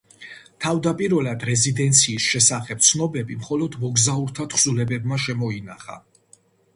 თავდაპირველი რეზიდენციის შესახებ ცნობები მხოლოდ მოგზაურთა თხზულებებმა შემოინახა.